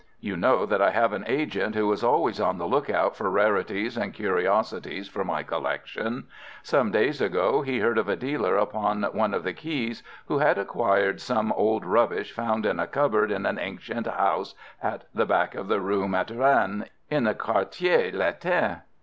You know that I have an agent who is always on the lookout for rarities and curiosities for my collection. Some days ago he heard of a dealer upon one of the Quais who had acquired some old rubbish found in a cupboard in an ancient house at the back of the Rue Mathurin, in the Quartier Latin.